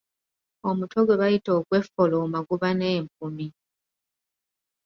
Omutwe gwe bayita ogweffolooma guba n’empumi.